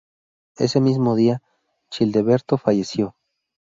Ese mismo día, Childeberto falleció.